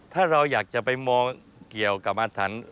ถ้าเราอยากจะไปมองเกี่ยวกับอาถรรพ์